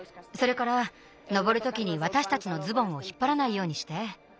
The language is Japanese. それからのぼるときにわたしたちのズボンをひっぱらないようにして。